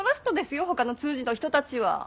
ほかの通詞の人たちは。